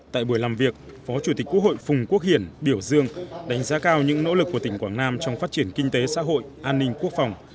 tại buổi làm việc phó chủ tịch quốc hội phùng quốc hiển biểu dương đánh giá cao những nỗ lực của tỉnh quảng nam trong phát triển kinh tế xã hội an ninh quốc phòng